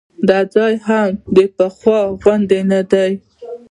دا ځای هم د پخوا غوندې نه دی.